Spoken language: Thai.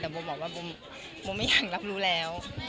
แต่โบบอกว่าโบไม่อยากรับรู้แล้ว